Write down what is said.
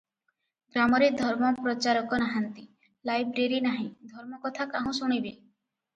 ଗ୍ରାମରେ ଧର୍ମ ପ୍ରଚାରକ ନାହାନ୍ତି, ଲାଇବ୍ରେରୀ ନାହିଁ, ଧର୍ମକଥା କାହୁଁ ଶୁଣିବେ?